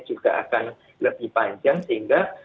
juga akan lebih panjang sehingga